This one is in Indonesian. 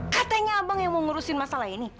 katanya abang yang mau ngurusin masalah ini